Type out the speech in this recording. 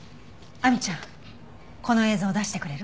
亜美ちゃんこの映像を出してくれる？